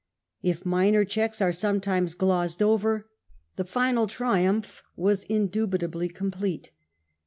If minor checks are sometimes glozed over, the final triumph was indubitably complete.